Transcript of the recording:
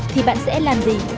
thì bạn sẽ làm gì